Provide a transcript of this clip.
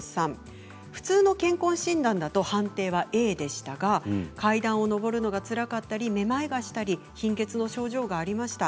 普通の健康診断だと判定はＡでしたが階段を上るのがつらかったりめまいがしたり貧血の症状がありました。